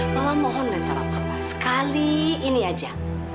mama mohon dan sarap papa sekali ini aja